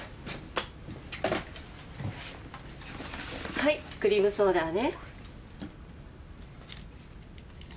はいクリームソーダね。